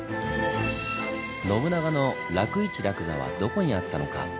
信長の楽市楽座はどこにあったのか？